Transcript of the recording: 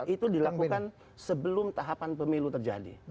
itu dilakukan sebelum tahapan pemilu terjadi